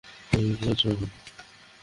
তুমি কী করছ এখানে?